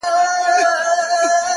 ستا د ژبې کيفيت او معرفت دی؛